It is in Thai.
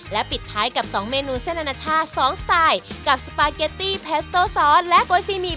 ปิดท้ายกับ๒เมนูเส้นอนาชาติ๒สไตล์กับสปาเกตตี้แพสโต้ซอสและก๋วยซีหีบ